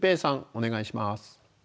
お願いします。